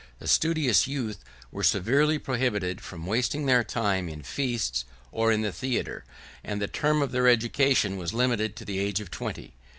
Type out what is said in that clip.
] The studious youth were severely prohibited from wasting their time in feasts, or in the theatre; and the term of their education was limited to the age of twenty.